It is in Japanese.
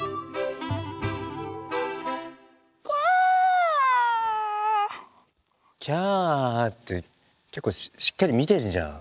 「きゃあ」って結構しっかり見てんじゃん。